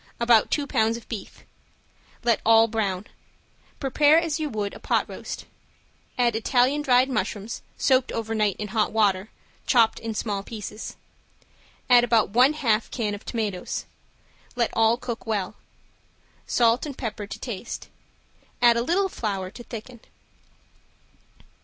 About two pounds of beef. Let all brown. Prepare as you would a pot roast. Add Italian dried mushrooms, soaked over night in hot water, chopped in small pieces. Add about one half can of tomatoes. Let all cook well. Salt and pepper to taste. Add a little flour to thicken.